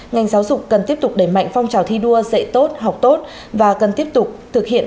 ngành giáo dục cần tiếp tục đẩy mạnh phong trào thi đua dạy tốt học tốt và cần tiếp tục thực hiện